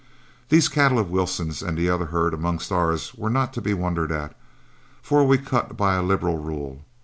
These cattle of Wilson's and the other herd amongst ours were not to be wondered at, for we cut by a liberal rule.